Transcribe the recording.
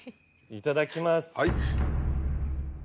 いただきます。